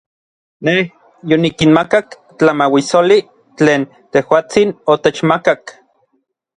Nej yonikinmakak tlamauissoli tlen tejuatsin otechmakak.